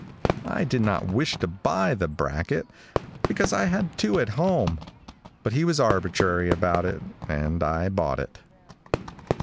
I did not wish to buy the bracket because I had two at home, but he was arbitrary about it and I bought it.